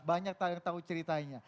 banyak yang tahu ceritanya